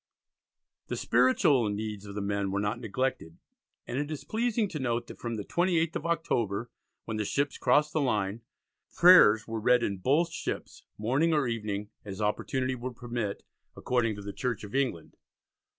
The spiritual needs of the men were not neglected, and it is pleasing to note that from the 28th of October, when the ships crossed the line, "prayers were read in both ships, morning or evening, as opportunity would permit, according to the Church of England.